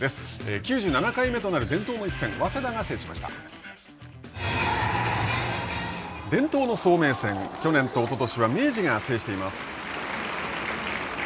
９７回目となる伝統の一戦伝統の早明戦去年とおととしは明治が制しています。